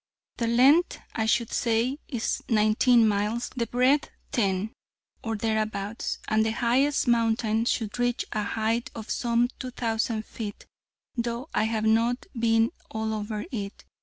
The length, I should say, is 19 miles; the breadth 10, or thereabouts; and the highest mountains should reach a height of some 2,000 ft., though I have not been all over it.